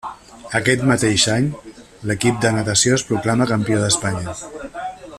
Aquest mateix any l'equip de natació es proclama campió d'Espanya.